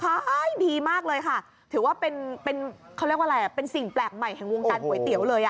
ขายดีมากเลยค่ะถือว่าเป็นเขาเรียกว่าอะไรเป็นสิ่งแปลกใหม่แห่งวงการก๋วยเตี๋ยวเลยอ่ะ